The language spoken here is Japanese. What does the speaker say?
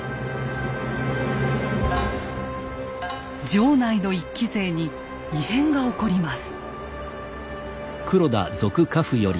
城内の一揆勢に異変が起こります。